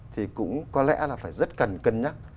thì cũng có lẽ là phải rất cần cân nhắc